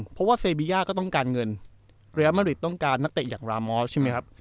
เพราะว่าเซบีย่าก็ต้องการเงินเรียลมาริดต้องการนักเตะอย่างรามอสใช่ไหมครับ